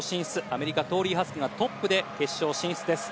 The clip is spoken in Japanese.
アメリカ、トーリー・ハスクがトップで決勝進出です。